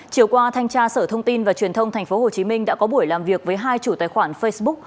chiều qua thanh tra sở thông tin và truyền thông tp hcm đã có buổi làm việc với hai chủ tài khoản facebook